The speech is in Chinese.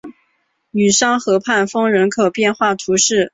吕桑河畔丰人口变化图示